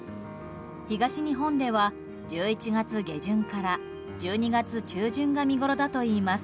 東日本では１１月下旬から１２月中旬が見ごろだといいます。